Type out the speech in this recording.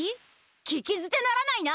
聞きずてならないな！